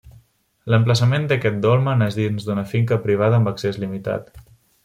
L'emplaçament d'aquest dolmen és dins d'una finca privada amb accés limitat.